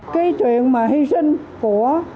cái chuyện mà hy sinh của